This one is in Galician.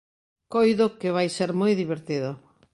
Coido que vai ser moi divertido.